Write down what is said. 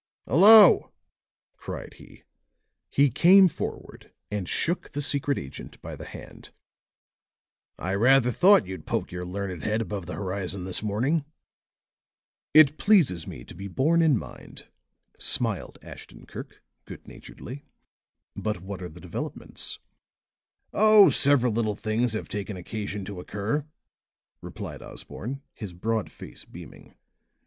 "Hello," cried he. He came forward and shook the secret agent by the hand. "I rather thought you'd poke your learned head above the horizon this morning." "It pleases me to be borne in mind," smiled Ashton Kirk, good naturedly. "But what are the developments?" "Oh, several little things have taken occasion to occur," replied Osborne, his broad face beaming.